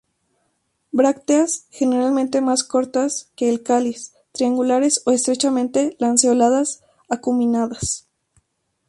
Brácteas generalmente más cortas que el cáliz, triangulares o estrechamente lanceoladas, acuminadas.